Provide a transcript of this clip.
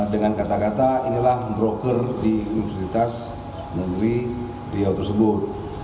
dengan kata kata inilah broker di universitas negeri riau tersebut